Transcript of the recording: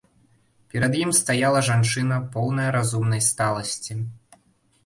Перад ім стаяла жанчына, поўная разумнай сталасці.